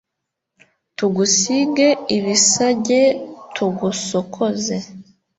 tugusige ibisage tugusokoze